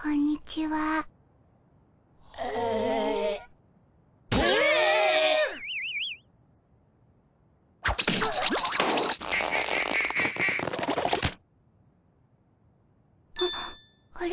はっあれ？